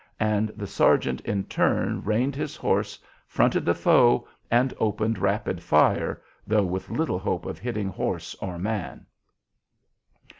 And the sergeant in turn reined his horse, fronted the foe, and opened rapid fire, though with little hope of hitting horse or man.